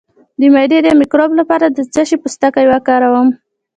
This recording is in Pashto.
د معدې د مکروب لپاره د څه شي پوستکی وکاروم؟